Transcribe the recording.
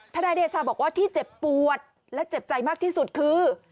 นายเดชาบอกว่าที่เจ็บปวดและเจ็บใจมากที่สุดคือ